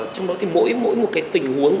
trong đó thì mỗi một cái tình huống